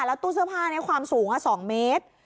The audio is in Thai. แล้วตู้เสื้อผ้านี้ความสูง๒เมตร